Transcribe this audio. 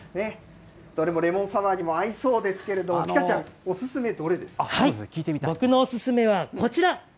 どれもレモンサワーに合いそうですけれども、ピカちゃん、お勧め僕のお勧めはこちら。